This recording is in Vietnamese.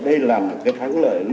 đây là một cái tháng lợi